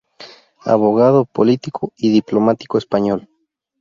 Abogado, político y diplomático español.